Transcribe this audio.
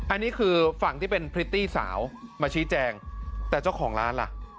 อันนี้คือฝั่งที่เป็นพริตตี้สาวมาชี้แจงแต่เจ้าของร้านล่ะ